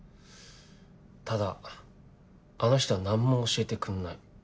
ただあの人は何も教えてくんない。